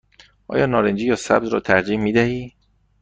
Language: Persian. آیا نارنجی یا سبز را ترجیح می دهی؟